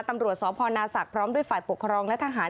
ตำรวจสพนาศักดิ์พร้อมด้วยฝ่ายปกครองและทหาร